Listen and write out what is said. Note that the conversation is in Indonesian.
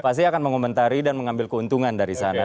pasti akan mengomentari dan mengambil keuntungan dari sana